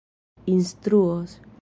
instruos